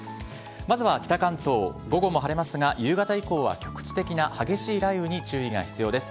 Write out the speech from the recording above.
まずは北関東、午後も晴れますが、夕方以降は局地的な激しい雷雨に注意が必要です。